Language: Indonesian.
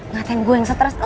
ngatain gue yang stres